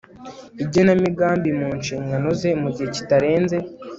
igenamigambi mu nshingano ze mu gihe kitarenze